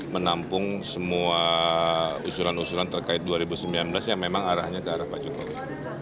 menampung semua usulan usulan terkait dua ribu sembilan belas yang memang arahnya ke arah pak jokowi